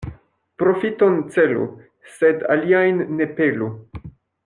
Profiton celu, sed aliajn ne pelu.